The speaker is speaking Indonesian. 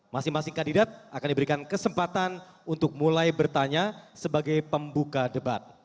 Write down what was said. masing masing kandidat akan diberikan kesempatan untuk mulai bertanya sebagai pembuka debat